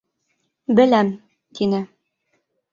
Беләм, тине.